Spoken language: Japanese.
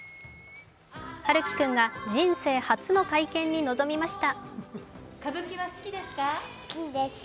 陽喜君が人生初の会見に臨みました。